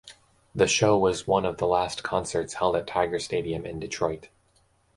The show was one of the last concerts held at Tiger Stadium in Detroit.